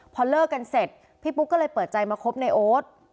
พอเลิกกันเสร็จพี่ปุ๊กก็เลยเปิดใจมาคบในโอ๊ต